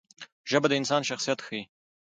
ژبه د انسان شخصیت ښيي.